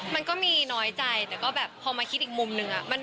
มันก็มีน้อยใจแต่ก็แบบพอมาคิดอีกมุมนึง